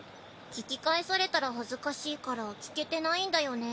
聞き返されたら恥ずかしいから聞けてないんだよね。